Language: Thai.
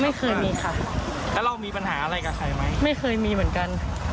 ไม่เคยมีค่ะแล้วเรามีปัญหาอะไรกับใครไหมไม่เคยมีเหมือนกัน